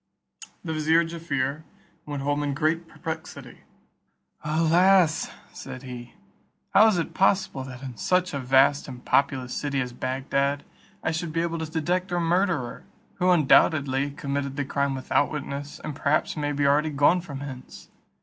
The vizier Jaaffier went home in great perplexity. "Alas!" said he "how is it possible that in such a vast and populous city as Bagdad, I should he able to detect a murderer, who undoubtedly committed the crime without witness, and perhaps may be already gone from hence?